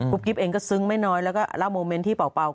กิ๊บเองก็ซึ้งไม่น้อยแล้วก็เล่าโมเมนต์ที่เป่า